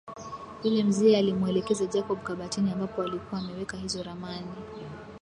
Yule mzee alimuelekeza Jacob kabatini ambapo alikuwa ameweka hizo ramani